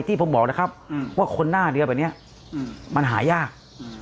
ที่ผมบอกเลยครับอืมว่าคนหน้าเดียวแบบเนี้ยอืมมันหายากอืม